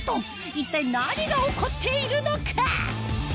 一体何が起こっているのか？